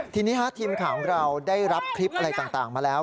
ทีนี้ทีมข่าวของเราได้รับคลิปอะไรต่างมาแล้ว